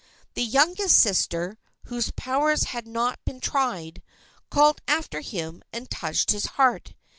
The youngest sister, whose powers had not been tried, called after him and touched his heart.